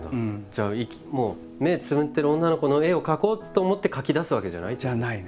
じゃあもう目つむってる女の子の絵を描こうと思って描きだすわけじゃないってことですか？